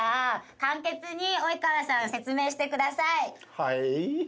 はい？